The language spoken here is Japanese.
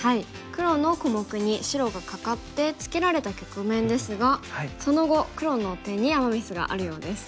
黒の小目に白がカカってツケられた局面ですがその後黒の手にアマ・ミスがあるようです。